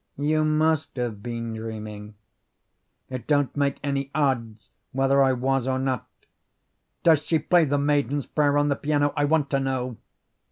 "You must have been dreaming." "It don't make any odds whether I was or not. Does she play 'The Maiden's Prayer' on the piano? I want to know."